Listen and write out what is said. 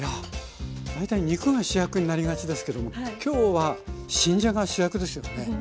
大体肉が主役になりがちですけども今日は新じゃがが主役ですよね。